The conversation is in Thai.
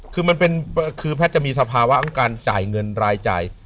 คือแพทย์จะมีสภาวะของการจ่ายเงินรายจ่าย